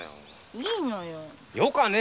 いいのよ。よかあねぇ。